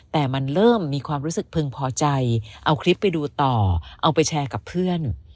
แต่มันเริ่มมีความรู้สึกพึงพอใจเอาคลิปไปดูต่อเอาไปแชร์กับเพื่อน